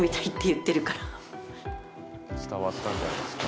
伝わったんじゃないですか？